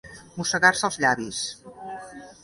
Mossegar-se els llavis.